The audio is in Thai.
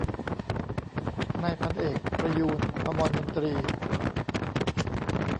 นายพันเอกประยูร ภมรมนตรี